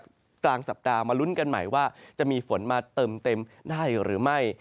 กลางสัปดาห์มาลุ้นกันใหม่ว่าจะมีฝนมาเติมเต็มได้หรือไม่